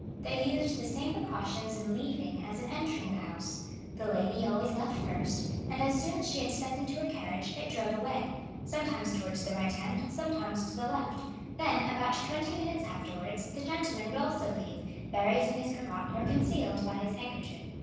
They used the same precautions in leaving as in entering the house. The lady always left first, and as soon as she had stepped into her carriage, it drove away, sometimes towards the right hand, sometimes to the left; then about twenty minutes afterwards the gentleman would also leave, buried in his cravat or concealed by his handkerchief.